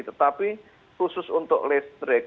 tetapi khusus untuk listrik